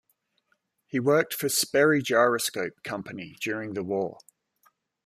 He worked for Sperry Gyroscope company during the war.